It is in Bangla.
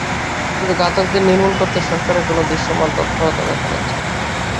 কিন্তু ঘাতকদের নির্মূল করতে সরকারের কোনো দৃশ্যমান তৎপরতা দেখা যাচ্ছে না।